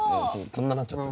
こんななっちゃった。